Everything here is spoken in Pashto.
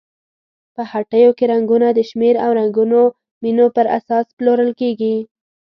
په هټیو کې رنګونه د شمېر او رنګونو مینو پر اساس پلورل کیږي.